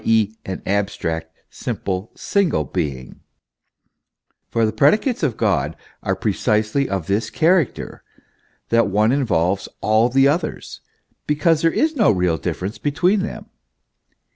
e., an abstract, simple, single being ; for the predicates of God are precisely of this character, that one involves all the others, because there is no real dif ference between them.